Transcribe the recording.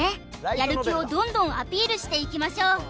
やる気をどんどんアピールしていきましょう